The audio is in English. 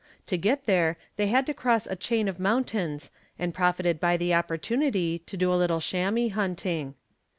To get there, they had to eross a chain of mountains and profited by the opportunity to do a little 'chamois hunting.